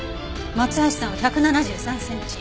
松橋さんは１７３センチ。